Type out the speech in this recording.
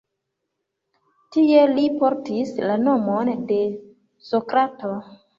Tie li portis la nomon de Sokrato.